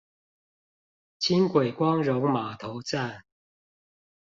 輕軌光榮碼頭站